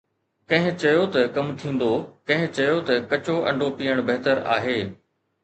ڪنهن چيو ته ڪم ٿيندو، ڪنهن چيو ته ڪچو انڊو پيئڻ بهتر آهي